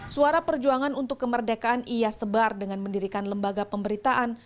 suara perjuangan untuk kemerdekaan ia sebar dengan mendirikan lembaga pemberitaan